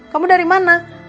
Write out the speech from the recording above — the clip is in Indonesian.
kamu dari mana